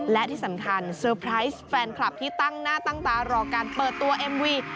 และที่สำคัญเซอร์ไพรส์แฟนคลับที่ตั้งหน้าตั้งตารอการเปิดตัวเอ็มวี